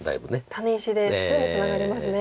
タネ石で全部ツナがりますね。